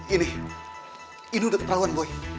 ini udah keprawan